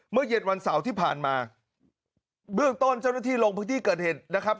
เย็นวันเสาร์ที่ผ่านมาเบื้องต้นเจ้าหน้าที่ลงพื้นที่เกิดเหตุนะครับ